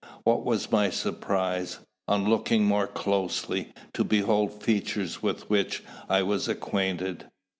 What was my surprise, on looking more closely, to behold features with which I was acquainted!